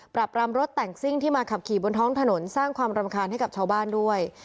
ปรับรำรถแต่งซิ่งที่มาขับขี่บนท้องถนนสร้างความรำคาญให้กับชาวบ้านด้วย